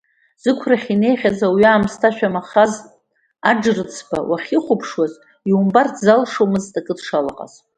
Зықәрахь инеихьаз ауаҩы аамысҭашәа Махаз Аџьрыцба уахьихәаԥшуаз иумбарц залшомызт акы дшалаҟаз.